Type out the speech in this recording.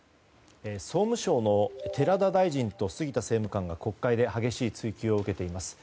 総務省の寺田大臣と杉田政務官が国会で激しい追及を受けています。